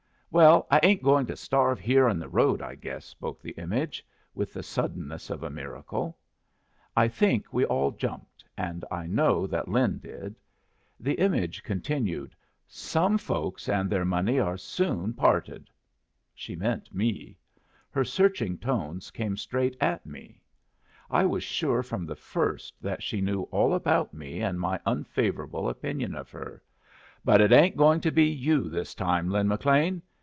"Well, I ain't going to starve here in the road, I guess," spoke the image, with the suddenness of a miracle. I think we all jumped, and I know that Lin did. The image continued: "Some folks and their money are soon parted" she meant me; her searching tones came straight at me; I was sure from the first that she knew all about me and my unfavorable opinion of her "but it ain't going to be you this time, Lin McLean.